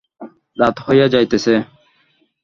রাত হইয়া যাইতেছে।